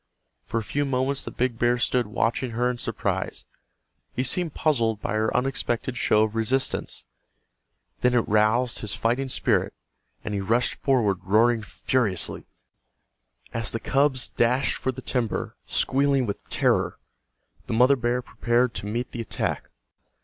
For a few moments the big bear stood watching her in surprise. He seemed puzzled by her unexpected show of resistance. Then it roused his fighting spirit, and he rushed forward roaring furiously. As the cubs dashed for the timber, squealing with terror, the mother bear prepared to meet the attack.